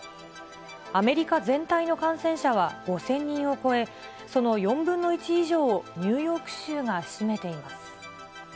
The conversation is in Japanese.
アメリカ全体の感染者は５０００人を超え、その４分の１以上をニューヨーク州が占めています。